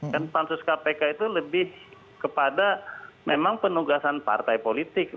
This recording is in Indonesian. kan pansus kpk itu lebih kepada memang penugasan partai politik